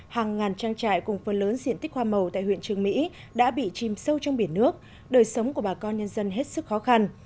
hàng ngàn trang trại cùng phần lớn diện tích hoa màu tại huyện trường mỹ đã bị chìm sâu trong biển nước đời sống của bà con nhân dân hết sức khó khăn